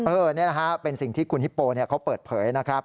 นี่แหละฮะเป็นสิ่งที่คุณฮิปโปเขาเปิดเผยนะครับ